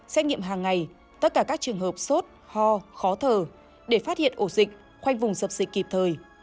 xét nghiệm hàng ngày tất cả các trường hợp sốt ho khó thở để phát hiện ổ dịch khoanh vùng dập dịch kịp thời